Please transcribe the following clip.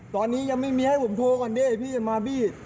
ตอนนี้ยังไม่มีให้ผมโทรก่อนด้วย